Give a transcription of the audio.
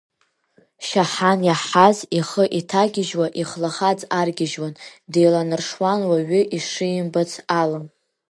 Шьаҳан иаҳаз ихы иҭагьежьуа, ихлахаҵ аргьежьуан, деиланаршуан уаҩы ишимбац ала.